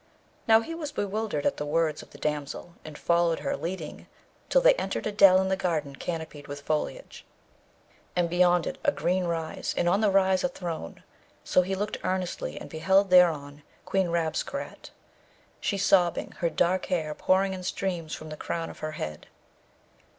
Now, he was bewildered at the words of the damsel, and followed her leading till they entered a dell in the garden canopied with foliage, and beyond it a green rise, and on the rise a throne. So he looked earnestly, and beheld thereon Queen Rabesqurat, she sobbing, her dark hair pouring in streams from the crown of her head.